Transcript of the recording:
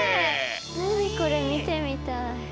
何これ見てみたい。